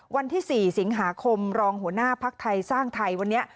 วันที่๔สิงหาคมรองหัวหน้าภักดิ์ไทยสร้างไทยวันนี้